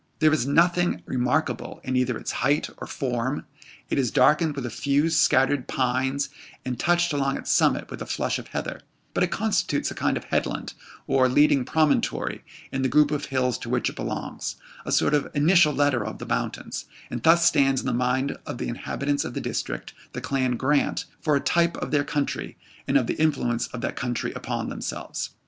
There is nothing remarkable in either its height or form; it is darkened with a few scattered pines, and touched along its summit with a flush of heather; but it constitutes a kind of headland, or leading promontory, in the group of hills to which it belongs a sort of initial letter of the mountains; and thus stands in the mind of the inhabitants of the district, the Clan Grant, for a type of their country, and of the influence of that country upon themselves.